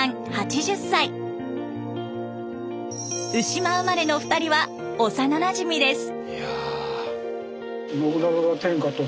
鵜島生まれの２人は幼なじみです。